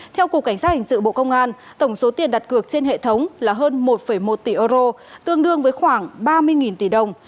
theo cục cảnh sát hình sự bộ công an tổng số tiền đặt cược trên hệ thống là hơn một một tỷ euro tương đương với khoảng ba mươi tỷ đồng